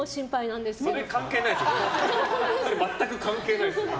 それ全く関係ないですよ。